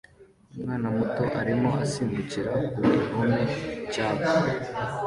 Umwana muto arimo asimbukira ku gihome cyaka